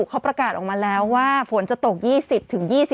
เขาประกาศออกมาแล้วว่าฝนจะตก๒๐๒๐